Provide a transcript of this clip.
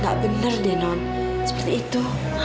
gak bener deh non seperti itu